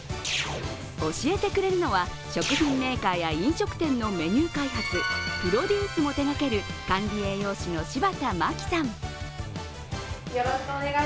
教えてくれるのは、食品メーカーや飲食店のメニュー開発プロデュースも手がける管理栄養士の柴田真希さん。